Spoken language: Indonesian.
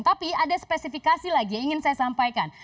tapi ada spesifikasi lagi yang ingin saya sampaikan